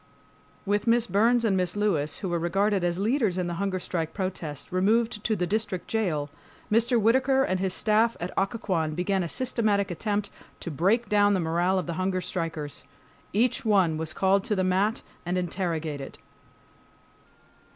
With Miss Burns and Mrs. Lewis, who were regarded as leaders in the hunger strike protest, removed to the district jail, Mr. Whittaker and his staff at Occoquan began a systematic attempt to break down the morale of the hunger strikers. Each one was called to the mat and interrogated.